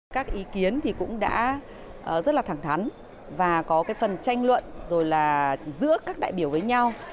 các ý kiến cũng đã rất là thẳng thắn và có phần tranh luận giữa các đại biểu với nhau